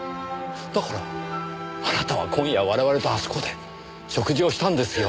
だからあなたは今夜我々とあそこで食事をしたんですよ。